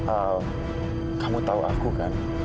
al kamu tau aku kan